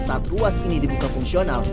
saat ruas ini dibuka fungsional